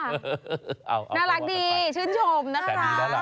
น่ารักดีชื่นชมนะคะ